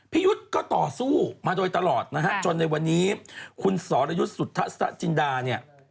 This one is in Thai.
ยุทธ์ก็ต่อสู้มาโดยตลอดนะฮะจนในวันนี้คุณสรยุทธ์สุทธจินดาเนี่ย